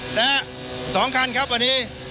สถานการณ์ข้อมูล